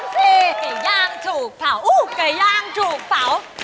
กระย่างถูกเผากระย่างถูกเผา